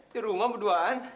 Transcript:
di rumah berduaan